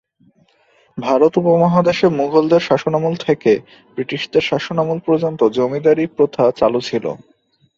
ভারত উপমহাদেশে মুঘলদের শাসনামল থেকে ব্রিটিশদের শাসনামল পর্যন্ত জমিদারি প্রথা চালু ছিল।